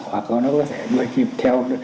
hoặc là nó có thể đuôi kìm theo